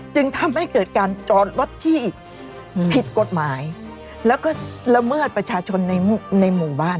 จึงทำให้เกิดการจอดรถที่ผิดกฎหมายแล้วก็ละเมิดประชาชนในหมู่บ้าน